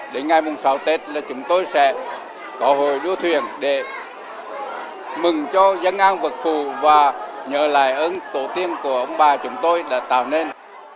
đến ngày sáu tết chúng tôi sẽ có hội đua thuyền để mừng cho dân an vật phù và nhờ lại ứng tổ tiên của ông bà chúng tôi đã tạo nên